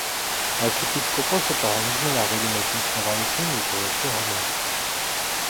Արքեպիսկոպոսը պահանջում էր ավելի մեծ ինքնավարություն եկեղեցու համար։